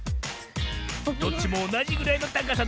どっちもおなじぐらいのたかさだ。